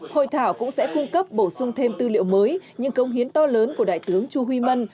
hội thảo cũng sẽ cung cấp bổ sung thêm tư liệu mới những công hiến to lớn của đại tướng chu huy mân